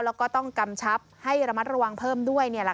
แล้วก็ต้องกำชับให้ระมัดระวังเพิ่มด้วย